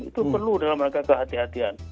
itu perlu dalam rangka kehatian